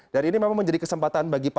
dan ini memang menjadi kesempatan bagi pak